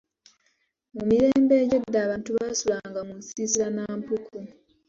Mu mirembe egy'edda, abantu baasulanga mu nsiisira na mpuku.